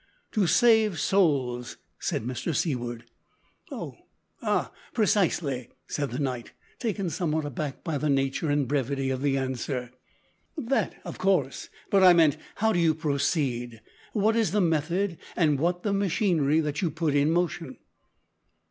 "To save souls," said Mr Seaward. "Oh ah precisely," said the knight, taken somewhat aback by the nature and brevity of the answer, "that of course; but I meant, how do you proceed? What is the method, and what the machinery that you put in motion?"